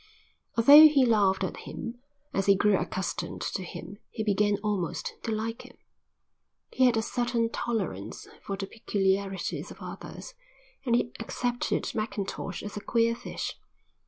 Although he laughed at him, as he grew accustomed to him, he began almost to like him. He had a certain tolerance for the peculiarities of others, and he accepted Mackintosh as a queer fish.